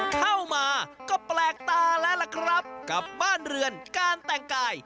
เข้ามาก็แปลกตาแล้วล่ะครับกับบ้านเรือนการแต่งกาย